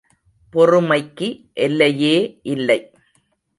பொறுமைக்கு எல்லையே இல்லை!